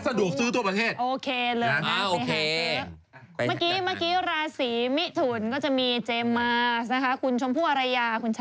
ก็จะอยู่ในราศีมิถุด้วย